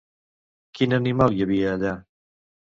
Quin animal hi havia allà?